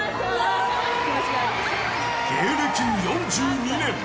［芸歴４２年］